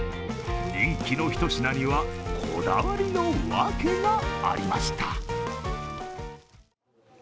人気のひと品には、こだわりのワケがありました。